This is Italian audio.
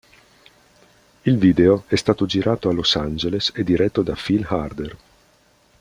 Il video è stato girato a Los Angeles e diretto da Phil Harder.